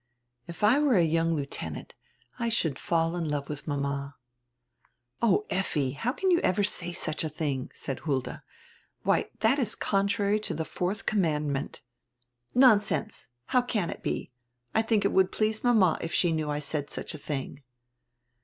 If I were a young lieutenant I should fall in love widi mama." "Oh, Effi, how can you ever say such a tiling?" said Hulda. "Why, diat is contrary to die fourth com mandment." "Nonsense. How can it be? I diink it would please mama if she knew I said such a tiling."